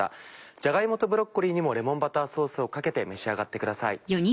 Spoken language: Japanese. じゃが芋とブロッコリーにもレモンバターソースをかけて召し上がってください。